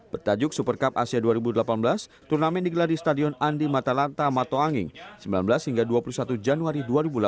bertajuk super cup asia dua ribu delapan belas turnamen digelar di stadion andi matalanta mato anging sembilan belas hingga dua puluh satu januari dua ribu delapan belas